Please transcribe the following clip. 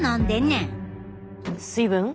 水分？